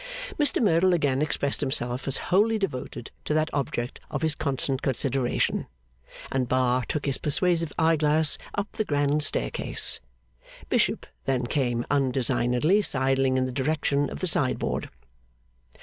Mr Merdle again expressed himself as wholly devoted to that object of his constant consideration, and Bar took his persuasive eye glass up the grand staircase. Bishop then came undesignedly sidling in the direction of the sideboard.